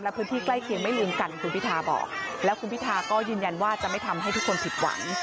และพื้นที่ใกล้เคียงไม่ลืมกันคุณพิทาบอกแล้วคุณพิทาก็ยืนยันว่าจะไม่ทำให้ทุกคนผิดหวัง